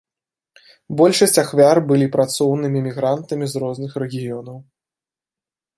Большасць ахвяр былі працоўнымі мігрантамі з розных рэгіёнаў.